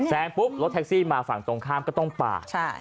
แซงปุ๊บรถแท็กซี่มาฝั่งตรงข้ามก็ต้องปาด